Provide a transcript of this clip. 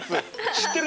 知ってる？